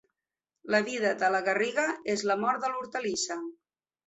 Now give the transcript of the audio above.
La vida de la garriga és la mort de l'hortalissa.